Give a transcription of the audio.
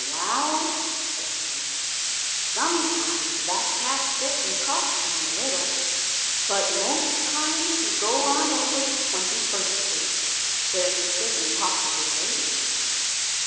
"Wa a l," says Butch, "sometimes that cat sit and talk to me a little, but most times he go on over to Twenty first Street, where he sit and talk to his lady friend.